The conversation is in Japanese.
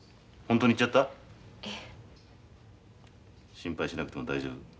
心配しなくても大丈夫。